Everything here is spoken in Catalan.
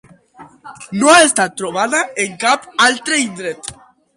No ha estat trobada en cap altre indret.